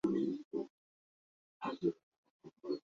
আর তোমার নিকট একটি লিপি প্রেরণ করছি, তুমি তা নীল নদে ফেলে দিও।